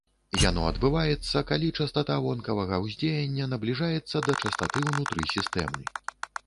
Яно адбываецца, калі частата вонкавага ўздзеяння набліжаецца да частаты ўнутры сістэмы.